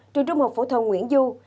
trường trung học phổ thông nguyễn du